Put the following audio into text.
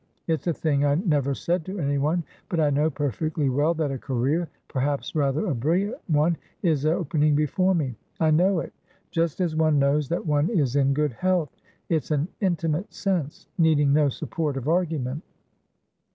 It's a thing I never said to anyone, but I know perfectly well that a careerperhaps rather a brilliant oneis opening before me. I know itjust as one knows that one is in good health; it's an intimate sense, needing no support of argument."